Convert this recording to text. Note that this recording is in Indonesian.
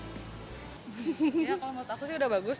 ya kalau menurut aku sih sudah bagus